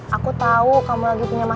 kasih tau malah bilang bawel